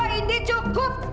udah udah edo ini cukup